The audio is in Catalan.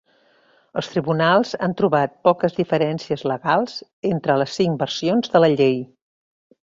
Els tribunals han trobat poques diferències legals entre les cinc versions de la Llei.